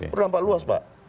beranapak luas pak